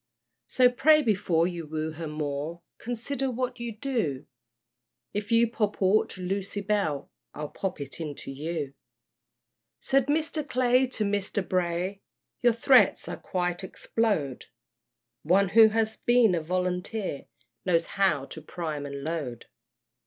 So pray before you woo her more, Consider what you do; If you pop aught to Lucy Bell I'll pop it into you. Said Mr. Clay to Mr. Bray, Your threats I quite explode; One who has been a volunteer Knows how to prime and load.